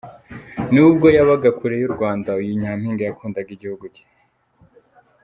N'ubwo yabaga kure y'u Rwanda, uyu nyampinga yakundaga iguhugu cye.